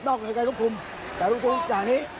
นอกเหลือในการทุกคลุมแต่ทุกคลุมจากนี้